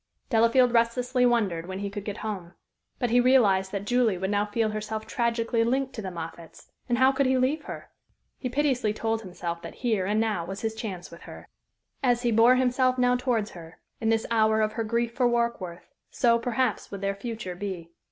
Delafield restlessly wondered when he could get home. But he realized that Julie would now feel herself tragically linked to the Moffatts, and how could he leave her? He piteously told himself that here, and now, was his chance with her. As he bore himself now towards her, in this hour of her grief for Warkworth, so, perhaps, would their future be.